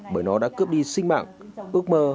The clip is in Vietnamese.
bởi nó đã cướp đi sinh mạng ước mơ